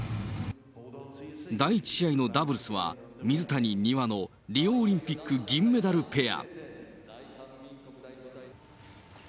第１試合のダブルスは、水谷・丹羽のリオオリンピック銀メダルペア。